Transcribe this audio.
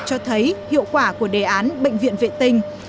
cho thấy hiệu quả của đề án bệnh viện vệ tinh